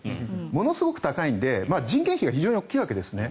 ものすごく高いので人件費がものすごく大きいわけです。